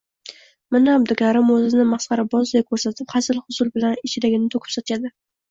Mana Abdukarim o`zini masxarabozday ko`rsatib, hazil-huzul bilan ichidagini to`kib-sochadi